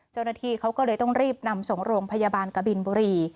เจ้าหน้าที่เขาก็เลยต้องรีบนำส่งโรงพยาบาลกบินบุรี